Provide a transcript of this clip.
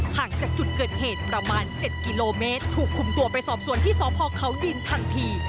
ห่างจากจุดเกิดเหตุประมาณ๗กิโลเมตรถูกคุมตัวไปสอบสวนที่สพเขาดินทันที